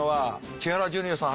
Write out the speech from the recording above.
千原ジュニアさん